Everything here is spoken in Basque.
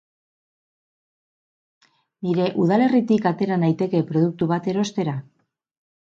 Nire udalerritik atera naiteke produktu bat erostera?